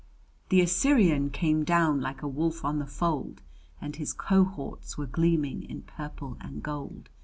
"'The Assyrian came down like a wolf on the fold, and his cohorts were gleaming in purple and gold!'"